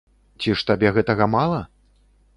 Ці ж табе гэтага мала?